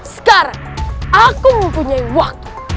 sekarang aku mempunyai waktu